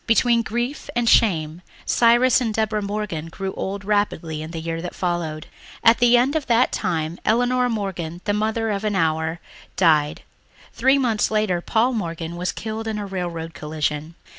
Between grief and shame Cyrus and Deborah Morgan grew old rapidly in the year that followed. At the end of that time Elinor Morgan, the mother of an hour, died; three months later Paul Morgan was killed in a railroad collision.